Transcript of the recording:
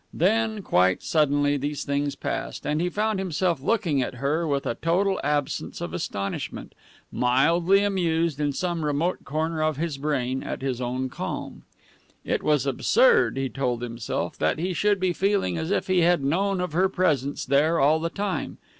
Then, quite suddenly, these things passed, and he found himself looking at her with a total absence of astonishment, mildly amused in some remote corner of his brain at his own calm. It was absurd, he told himself, that he should be feeling as if he had known of her presence there all the time.